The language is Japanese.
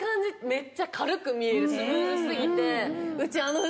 めっちゃ軽く見えるスムーズ過ぎて。